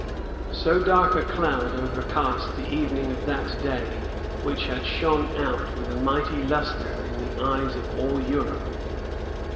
So dark a cloud overcast the evening of that day which had shone out with a mighty lustre in the eyes of all Europe.